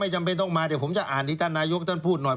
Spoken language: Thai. จำเป็นต้องมาเดี๋ยวผมจะอ่านที่ท่านนายกท่านพูดหน่อย